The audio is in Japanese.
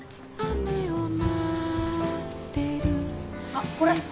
あっこれ。